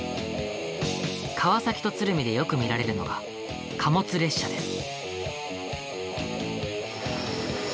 川崎と鶴見でよく見られるのが貨物列車です。